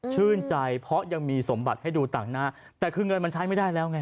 ชื่นใจเพราะยังมีสมบัติให้ดูต่างหน้าแต่คือเงินมันใช้ไม่ได้แล้วไง